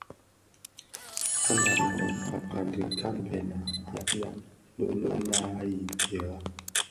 Asen a Rimoh a dhi kaňbèna a dhiaèn bi naa i mpiera.